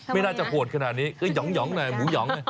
ไม่น่าจะโหดขนาดนี้ก็หองหน่อยหมูหอง